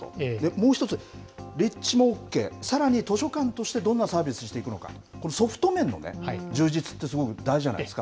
もう一つ、立地もＯＫ、さらに図書館として、どんなサービスしていくのか、このソフト面のね、充実って、すごく大事じゃないですか。